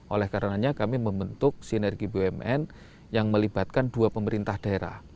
oleh karenanya kami membentuk sinergi bumn yang melibatkan dua pemerintah daerah